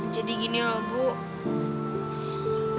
jadi gini loh bu